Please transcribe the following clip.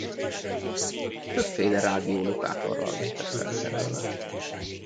Többféle rádiólokátorral lettek felszerelve.